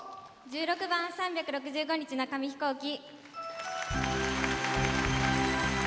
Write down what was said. １６番「３６５日の紙飛行機」。